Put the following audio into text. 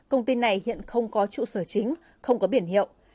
công ty này hiện không có trụ sở chính không có biển hiệu